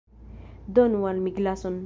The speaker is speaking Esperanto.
Donu al mi glason.